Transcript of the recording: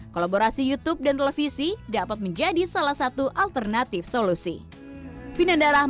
kolaborasi youtube dan televisi dapat menjadi salah satu alternatif solusi